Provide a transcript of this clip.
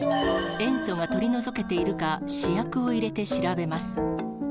塩素が取り除けているか、試薬を入れて調べます。